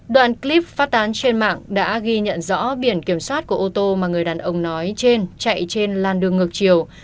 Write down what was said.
đoạn clip phát tán trên mạng đã ghi nhận rõ biển kiểm soát của ô tô mà người đàn ông nói trên chạy trên làn đường ngược chiều